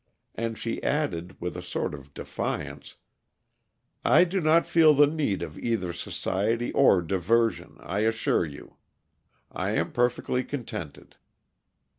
And she added, with a sort of defiance: "I do not feel the need of either society or diversion, I assure you; I am perfectly contented."